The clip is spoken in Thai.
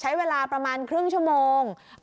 ใช้เวลาประมาณครึ่งชั่วโมง